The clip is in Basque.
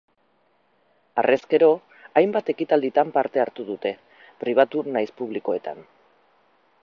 Harrezkero, hainbat ekitalditan parte hartu dute, pribatu nahiz publikoetan.